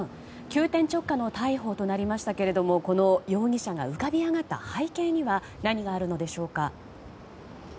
急転直下の逮捕となりましたがこの容疑者が浮かび上がった背景には何があるのでしょうか。